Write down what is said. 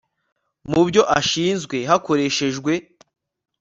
mu byo ashinzwe hakoreshejwe